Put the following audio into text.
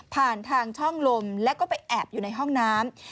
ผ่านทางช่องลมแล้วก็ไปแอบอยู่ในห้องน้ำ